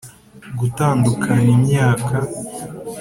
gutandukana imyaka,